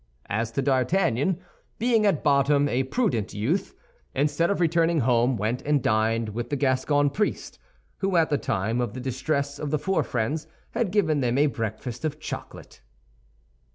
As to D'Artagnan, being at bottom a prudent youth, instead of returning home, went and dined with the Gascon priest, who, at the time of the distress of the four friends, had given them a breakfast of chocolate.